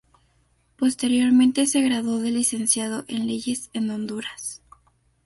Posteriormente se graduó de licenciado en Leyes en Honduras.